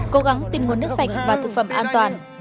cố gắng tìm nguồn nước sạch và thực phẩm an toàn